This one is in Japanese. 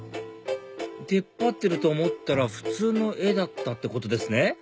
出っ張ってると思ったら普通の絵だったってことですね